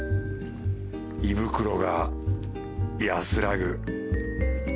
胃袋が安らぐ